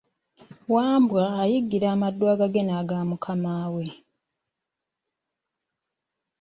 Wambwa ayiggira amaddu agage n'agamukamaawe.